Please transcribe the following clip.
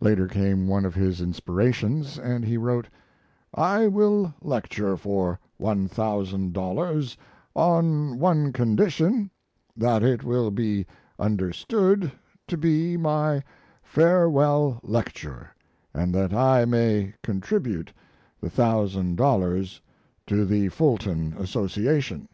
Later came one of his inspirations, and he wrote: "I will lecture for one thousand dollars, on one condition: that it will be understood to be my farewell lecture, and that I may contribute the thousand dollars to the Fulton Association."